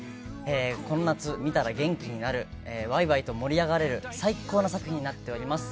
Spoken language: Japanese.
この夏見たら元気になるワイワイと盛り上がれる最高の作品になっております